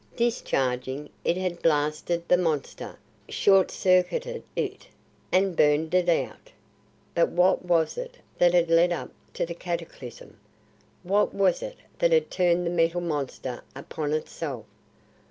Discharging, it had blasted the Monster short circuited it, and burned it out. But what was it that had led up to the cataclysm? What was it that had turned the Metal Monster upon itself?